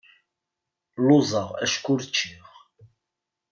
Lluẓeɣ acku ur cciɣ.